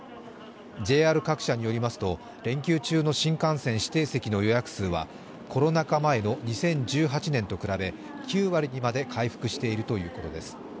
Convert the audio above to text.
ＪＲ各社によりますと、連休中の新幹線指定席の予約数はコロナ禍前の２０１８年と比べ、９割にまで回復しているということです。